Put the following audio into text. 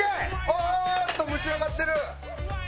おおーっと蒸し上がってる！